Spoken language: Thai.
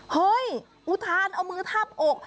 เฮ้ยอุทานเอามือทับอก